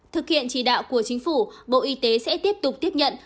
thực hiện chỉ đạo của chính phủ bộ y tế sẽ tiếp tục tiếp nhận